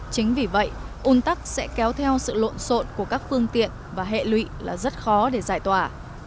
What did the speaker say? chính vì vậy un tắc sẽ kéo theo sự lộn xộn của các phương tiện và hệ lụy là rất khó để giải tỏa